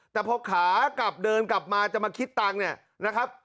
แต่พอขากลับเดินกลับมาจะมาคิดตังค์เนี่ยนะครับ